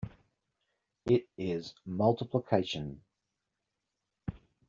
It is multiplication.